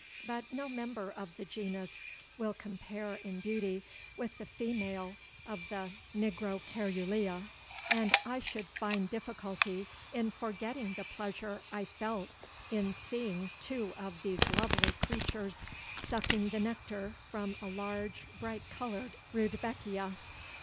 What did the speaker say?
But no member of the genus will compare in beauty with the female of the nigrocaerulea, and I should find difficulty in forgetting the pleasure I felt in seeing two of these lovely creatures sucking the nectar from a large bright colored Rudbeckia.